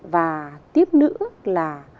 và tiếp nữa là